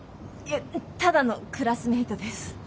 いやただのクラスメートです。